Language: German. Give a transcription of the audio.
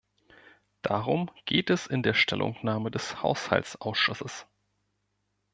Darum geht es in der Stellungnahme des Haushaltsausschusses.